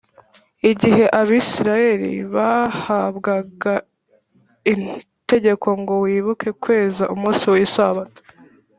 igihe abayisiraheli bahabwaga itegeko ngo “wibuke kweza umunsi w’isabato